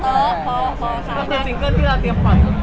ก็เป็นซิงเกิดที่เราเตรียมปล่อย